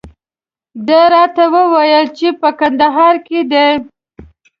ده راته وویل چې په کندهار کې دی.